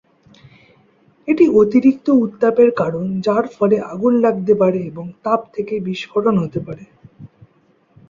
এটি অতিরিক্ত উত্তাপের কারণ, যার ফলে আগুন লাগতে পারে এবং তাপ থেকে বিস্ফোরণ হতে পারে।